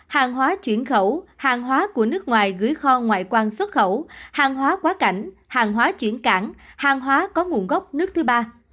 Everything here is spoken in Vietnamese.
hàng hóa chuyển khẩu hàng hóa của nước ngoài gửi kho ngoại quan xuất khẩu hàng hóa quá cảnh hàng hóa chuyển cảng hàng hóa có nguồn gốc nước thứ ba